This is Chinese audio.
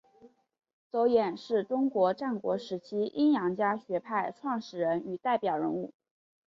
邹衍是中国战国时期阴阳家学派创始者与代表人物。